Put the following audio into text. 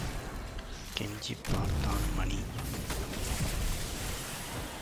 கெஞ்சிப் பார்த்தான் மணி.